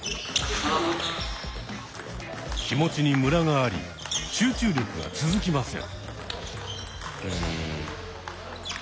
気持ちにムラがあり集中力が続きません。